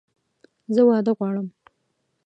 زه واده غواړم!